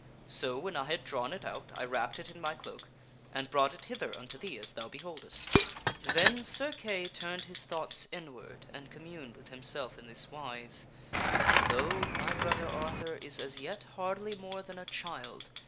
So, when I had drawn it out, I wrapped it in my cloak and brought it hither unto thee as thou beholdest." Then Sir Kay turned his thoughts inward aud communed with himself in this wise, " Lo ! my brother Arthur is as yet hardly more than a child.